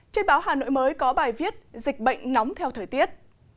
trên báo hà nội mới có bài viết dịch bệnh nóng theo thời tiết